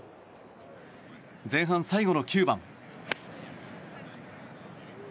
前半最後の９番。